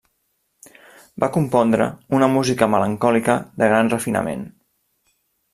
Va compondre una música melancòlica de gran refinament.